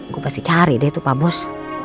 gue pasti cari deh tuh pak bos